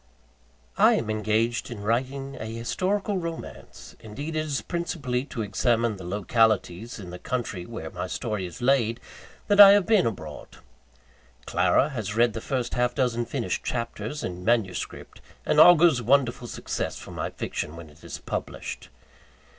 I am engaged in writing a historical romance indeed, it is principally to examine the localities in the country where my story is laid, that I have been abroad. Clara has read the first half dozen finished chapters, in manuscript, and augurs wonderful success for my fiction when it is published.